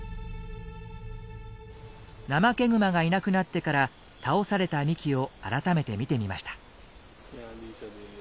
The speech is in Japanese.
ナマケグマがいなくなってから倒された幹を改めて見てみました。